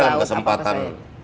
saya ada kesempatan